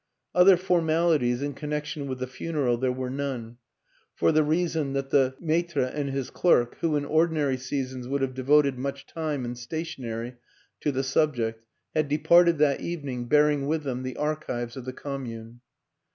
Other formalities in connection with the funeral there were none for the reason that the maire and his clerk, who in ordinary seasons would have devoted much time and stationery to the subject, had departed that evening, bearing with them the archives of the commune.